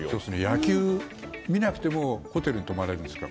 野球、見なくてもホテルに泊まれるんですか？